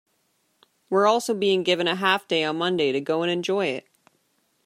We're also being given a half day on Monday to go and enjoy it.